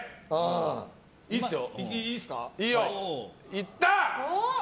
いった！